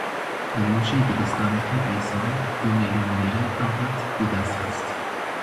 Li Mûşê dibistanekê îsal du milyon lîre dahat bi dest xist.